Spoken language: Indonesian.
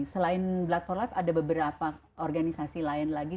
selain blood for life ada beberapa organisasi lain lagi